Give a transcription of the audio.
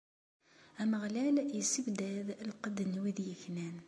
Ameɣlal issebdad lqedd n wid yeknan.